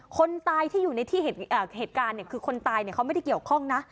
คนตายที่อยู่ในที่เหตุการณ์คือคนตายเขาไม่ได้เกี่ยวข้องนะ